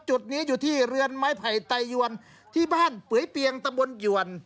จุดนี้อยู่ที่เรือนไม้ไผ่ไตยวนที่บ้านเปื่อยเปียงตำบลหยวน